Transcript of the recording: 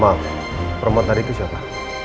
maaf promotor tadi itu siapa